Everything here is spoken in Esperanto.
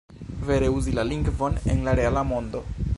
Vere uzi la lingvon en la reala mondo."